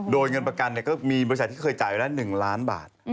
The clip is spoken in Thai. โดยเงินประกันก็มีบริษัทที่เคยจ่ายละ๑ล้านบาท